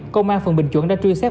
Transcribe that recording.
công an phường bình chuẩn đã truyền xét